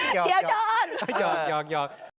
เดี๋ยวยอกยอกยอก